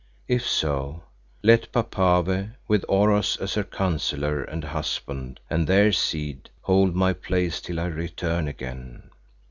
If so, let Papave, with Oros as her counsellor and husband and their seed, hold my place till I return again.